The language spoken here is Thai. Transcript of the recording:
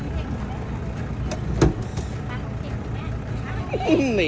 กินข้าวขอบคุณครับ